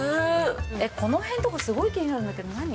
この辺とか、すごい気になるんだけど、何？